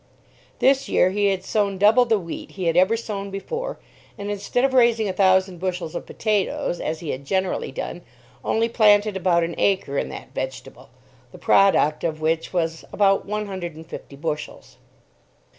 This year he had sown double the wheat he had ever sown before, and, instead of raising a thousand bushels of potatoes, as he had generally done, only planted about an acre in that vegetable, the product of which was about one hundred and fifty bushels.